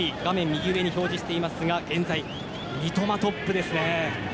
右上に表示していますが現在、三笘トップですね。